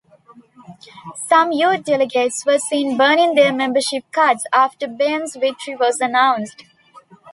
Some youth delegates were seen burning their membership cards after Bend's victory was announced.